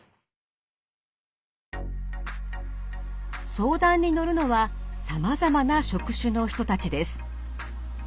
相談に乗るのはさまざまな職種の人たちです。